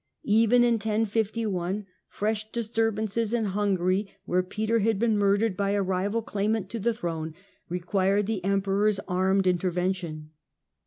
Even in 1051 fresh disturbances in Hungary, where Peter had been murdered by a rival claimant to the throne, required the Emperor's armed intervention.